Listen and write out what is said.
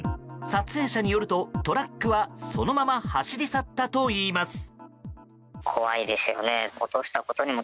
撮影者によるとトラックはそのまま走り去ったといいます。